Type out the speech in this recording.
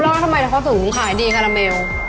รู้แล้วทำไมเพาะสูงข่ายดีนะแมลว